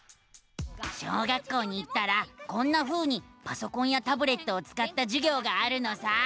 小学校に行ったらこんなふうにパソコンやタブレットをつかったじゅぎょうがあるのさ！